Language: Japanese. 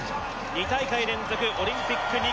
２大会連続オリンピック２